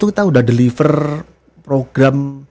kita sudah deliver program